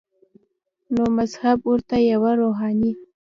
نو مذهب ورته یوه روحاني